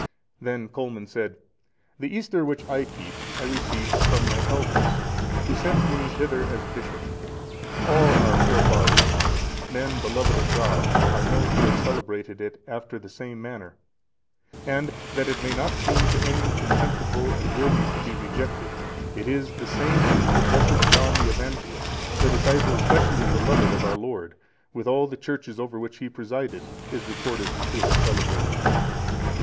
Then Colman said, "The Easter which I keep, I received from my elders, who sent me hither as bishop; all our forefathers, men beloved of God, are known to have celebrated it after the same manner; and that it may not seem to any contemptible and worthy to be rejected, it is the same which the blessed John the Evangelist, the disciple specially beloved of our Lord, with all the churches over which he presided, is recorded to have celebrated."